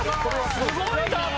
すごいな！